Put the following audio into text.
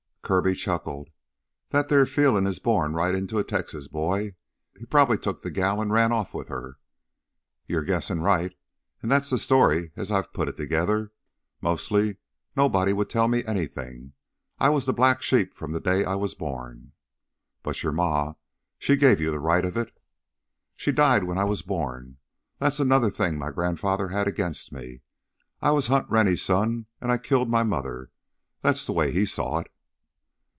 Kirby chuckled. "That theah feelin' is borned right into a Texas boy. He probably took the gal an' ran off with her " "You're guessing right. At least that's the story as I've put it together. Mostly nobody would tell me anything. I was the blacksheep from the day I was born " "But your ma, she'd give you the right of it." "She died when I was born. That's another thing my grandfather had against me. I was Hunt Rennie's son, and I killed my mother; that's the way he saw it."